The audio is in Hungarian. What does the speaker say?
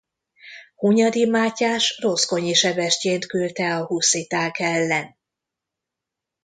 Hunyadi Mátyás Rozgonyi Sebestyént küldte a husziták ellen.